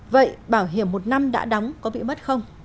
vậy bảo hiểm một năm đã đóng có bị mất không